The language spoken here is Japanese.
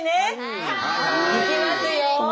いきますよ。